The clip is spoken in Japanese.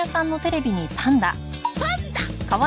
「パンダ」！